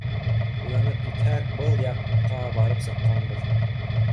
Уянып китһәк — был яҡҡа барып сыҡҡанбыҙ.